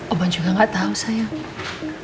oban juga gak tau sayang